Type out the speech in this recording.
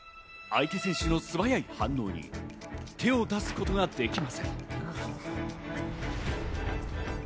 相手選手の素早い反応に手を出すことができません。